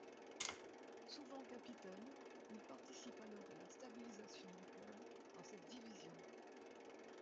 Souvent capitaine, il participe alors à la stabilisation du club dans cette division.